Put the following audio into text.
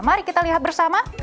mari kita lihat bersama